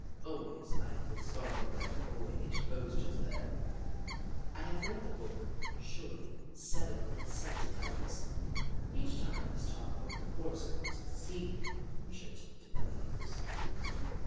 Always I have been sorry that the boy interposed just there. I have read the book surely seven and seventy times. Each time this talk over the horse comes exceeding pungent to my ears.